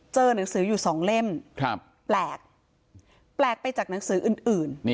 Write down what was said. หนังสืออยู่สองเล่มแปลกแปลกไปจากหนังสืออื่น